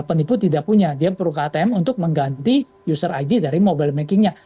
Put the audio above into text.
penipu tidak punya dia perlu ke atm untuk mengganti user id dari mobile banking nya